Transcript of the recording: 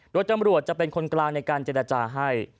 โดยจำรวจจะเป็นคนกลางในการเจรจาให้